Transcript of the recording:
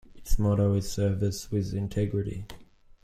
Its motto is "Service With Integrity".